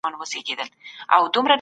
ولسي جرګه د هېواد قوانين جوړوي.